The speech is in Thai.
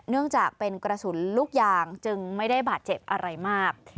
เนื่องจากเป็นกระสุนลูกยางจึงไม่ได้บาดเจ็บอะไรมาก